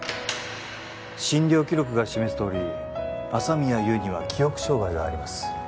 診療記録が示すとおり朝宮優には記憶障害があります